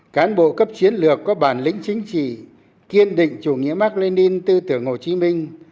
cán bộ cấp chiến lược có bản lĩnh chính trị kiên định chủ nghĩa mạc lê ninh tư tưởng hồ chí minh